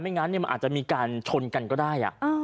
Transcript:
งั้นมันอาจจะมีการชนกันก็ได้